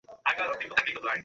আমি ছাতের সাথে আটকে আছি কীভাবে?